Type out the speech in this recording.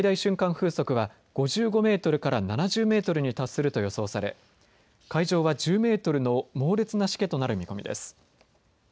風速は５５メートルから７０メートルに達すると予想され、海上は１０メートルの猛烈なしけとなる見込みです。